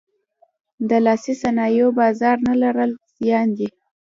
د لاسي صنایعو بازار نه لرل زیان دی.